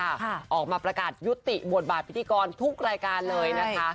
ออกมาประกาศยุติบทบาทพิธีกรทุกรายการเลยนะคะ